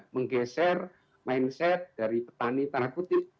menggeser mindset dari petani tanah putih